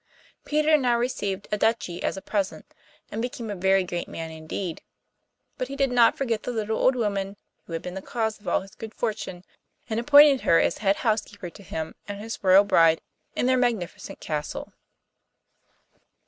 Peter now received a duchy as a present, and became a very great man indeed; but he did not forget the little old woman who had been the cause of all his good fortune, and appointed her as head housekeeper to him and his royal bride in their magnificent castle.